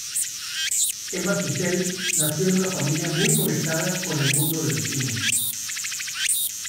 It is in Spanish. Emma Tusell nació en una familia muy conectada con el mundo del cine.